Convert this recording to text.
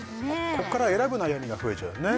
ここから選ぶ悩みが増えちゃうね